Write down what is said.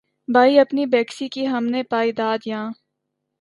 بارے‘ اپنی بیکسی کی ہم نے پائی داد‘ یاں